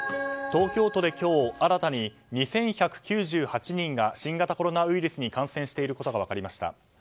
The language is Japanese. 東京都で今日新たに２１９８人が新型コロナウイルスに感染していることが分かりました。